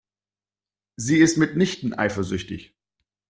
Sie ist mitnichten eifersüchtig.